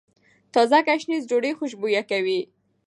تازه ګشنیز ډوډۍ خوشبويه کوي.